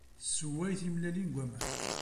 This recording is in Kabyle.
Tsewway timellalin deg waman